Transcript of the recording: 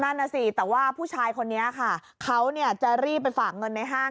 นั่นน่ะสิแต่ว่าผู้ชายคนนี้ค่ะเขาจะรีบไปฝากเงินในห้าง